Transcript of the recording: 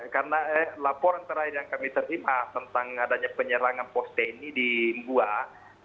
karena laporan terakhir yang kami terima tentang adanya penyerangan pos tni di mbuah